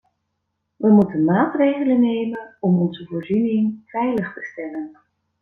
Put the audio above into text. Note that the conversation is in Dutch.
We moeten maatregelen nemen om onze voorziening veilig te stellen.